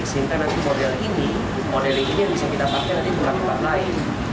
sehingga nanti modeling ini yang bisa kita pakai nanti bukan tempat lain